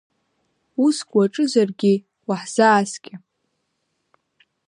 Уск уаҿызаргьы, уаҳзааскьа!